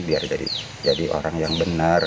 biar jadi orang yang benar